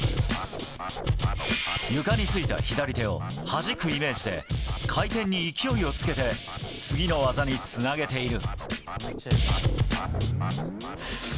床についた左手をはじくイメージで回転に勢いをつけて次の技につなげている。